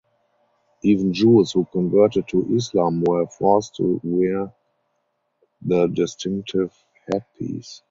Even Jews who converted to Islam were forced to wear the distinctive headpiece.